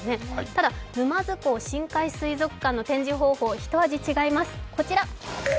ただ沼津港深海水族館の展示方法はひと味違います、こちら。